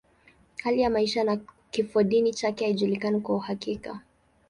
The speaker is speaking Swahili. Hali ya maisha na kifodini chake haijulikani kwa uhakika.